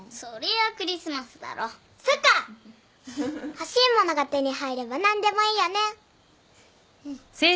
欲しい物が手に入れば何でもいいよね。